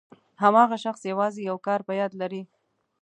هماغه شخص یوازې یو کار په یاد لري.